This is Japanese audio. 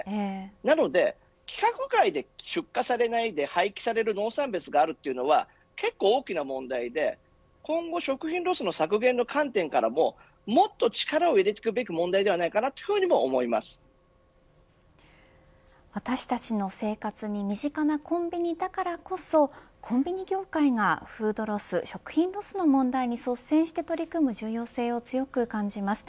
なので規格外で出荷されないで廃棄される農産物があるというのは結構大きな問題で今後、食品ロスの削減の観点からももっと力を入れるべき問題だと私たちの生活に身近なコンビニだからこそコンビニ業界がフードロス、食品ロスの問題に率先して取り組む重要性を強く感じます。